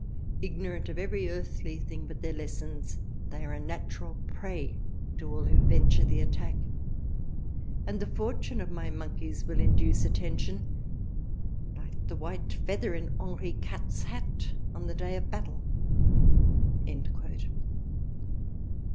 Ignorant of every earthly thing but their Lessons, they are a natural Prey to all who venture the Attack ; and the Fortune of my Monkies will induce attention like the White Feather in Henri quatres Hat on the Day of Battle."